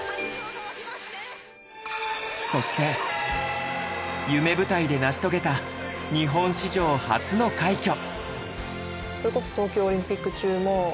そして夢舞台で成し遂げた日本史上初の快挙。